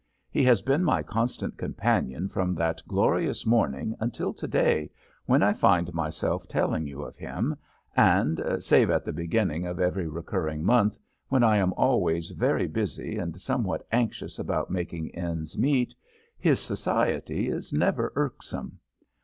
He has been my constant companion from that glorious morning until to day, when I find myself telling you of him, and, save at the beginning of every recurring month, when I am always very busy and somewhat anxious about making ends meet, his society is never irksome.